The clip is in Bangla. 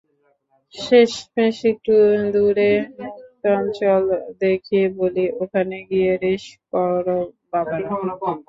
শেষমেশ একটু দূরে মুক্তাঞ্চল দেখিয়ে বলি ওখানে গিয়ে রেস করো বাবারা।